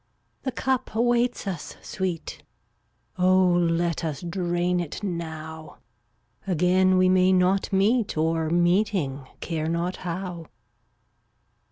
The cup awaits us, Sweet, Oh let us drain it now; Again we may not meet, Or, meeting, care not how.